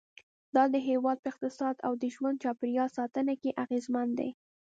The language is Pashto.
دا د هېواد په اقتصاد او د ژوند چاپېریال ساتنه کې اغیزمن دي.